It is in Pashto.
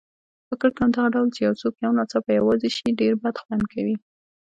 فکر کوم دغه ډول چې یو څوک یو ناڅاپه یوازې شي ډېر بدخوند کوي.